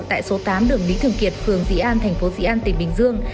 tại số tám đường lý thường kiệt phường dĩ an thành phố dị an tỉnh bình dương